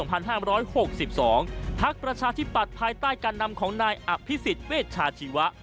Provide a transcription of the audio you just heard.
พักประชาธิบัตรภายใต้การนำของนายอภิสิตเวชาชีวะ